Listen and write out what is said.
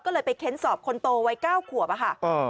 ก็เลยไปเค้นสอบคนโตวัย๙ขวบอะค่ะ